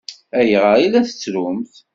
Ayɣer i la tettrumt?